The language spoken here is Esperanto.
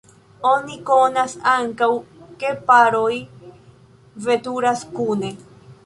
Oni konas ankaŭ, ke paroj veturas kune.